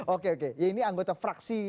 oke oke ini anggota fraksi